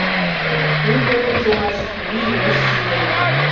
У пӧртым чоҥаш вий ыш сите.